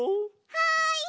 はい！